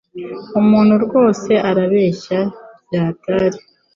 Umuntu rwose arabeshya byahatari